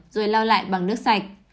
rồi lau lại bằng nước sạch